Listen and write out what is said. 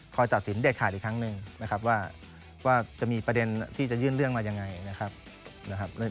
คอยตอบสินเด็ดขาดอีกครั้งหนึ่งแล้วจะมีประเด็นที่จะยื่นเรื่องมาอย่างไร